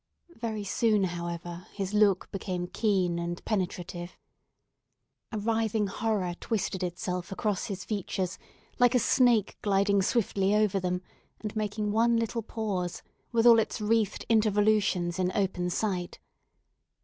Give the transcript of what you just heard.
Very soon, however, his look became keen and penetrative. A writhing horror twisted itself across his features, like a snake gliding swiftly over them, and making one little pause, with all its wreathed intervolutions in open sight.